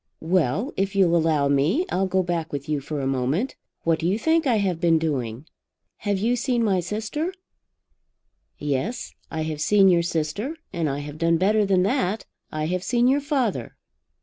"Well; if you'll allow me I'll go back with you for a moment. What do you think I have been doing?" "Have you seen my sister?" "Yes, I have seen your sister. And I have done better than that. I have seen your father.